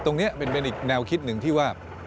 ตรงนี้เป็นอีกแนวคิดหนึ่งที่ว่า